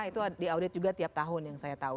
itu diaudit juga tiap tahun yang saya tahu